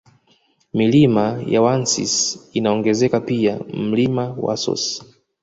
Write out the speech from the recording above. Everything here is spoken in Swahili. Milima ya Wansisi inaongezeka pia Mlima Wasosi